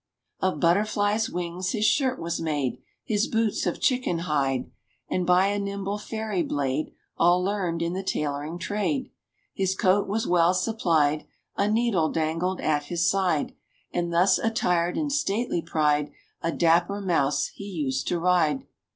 Of butterflies' wings his shirt was made, His boots of chicken hide, And by a nimble fairy blade All learned in the tailoring trade, His coat was well supplied. A needle dangled at his side, And thus attired in stately pride A dapper mouse he used to ride.